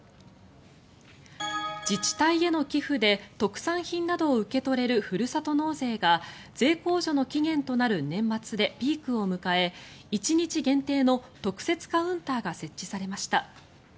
自治体への寄付で特産品などを受け取れるふるさと納税が税控除の期限となる年末でピークを迎え１日限定の特設カウンターが設置されました。